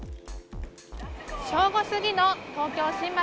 正午すぎの東京・新橋。